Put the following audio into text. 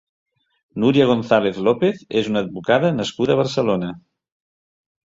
Núria González López és una advocada nascuda a Barcelona.